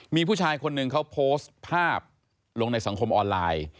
มีผู้ชายคนหนึ่งเขาโพสต์ภาพลงในสังคมออนไลน์